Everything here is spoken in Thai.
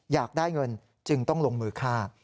อยากได้เงินจึงต้องลงมือฆ่า